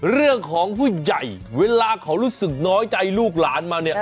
เรื่องของผู้ใหญ่เวลาเขารู้สึกน้อยใจลูกหลานมาเนี่ย